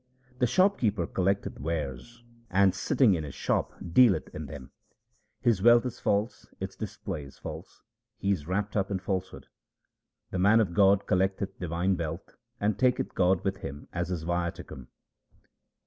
The shopkeeper collecteth wares and sitting in his shop dealeth in them : His wealth is false, its display is false, he is wrapped up in falsehood. The man of God collecteth divine wealth and taketh God with him as his viaticum.